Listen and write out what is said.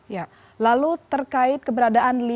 ya lalu terkait keberadaan lima